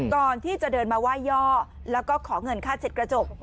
ก่อนที่จะเดินมาไหว้ย่อแล้วก็ขอเงินค่าเช็ดกระจก